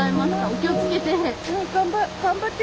お気をつけて。